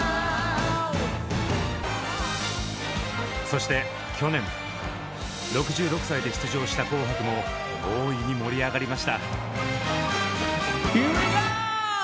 そして去年６６歳で出場した「紅白」も大いに盛り上がりました。